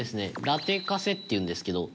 ラテカセっていうんですけど。